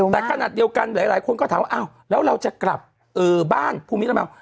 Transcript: แต่ขนาดเดียวกันหลายคนก็ถามว่าอ้าวแล้วเราจะกลับบ้านภูมิแล้วไหม